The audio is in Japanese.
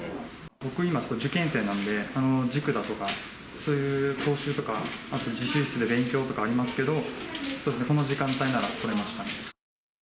僕今、受験生なので、塾だとかそういう講習とか、自習室で勉強とかありますけど、この時間帯なら、来れました。